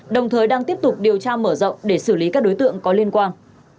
đồng thời đang tiếp tục điều tra mở rộng để xử lý các đối tượng có liên quan